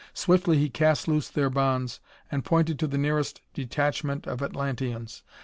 Swiftly he cast loose their bonds and pointed to the nearest detachment of Atlanteans.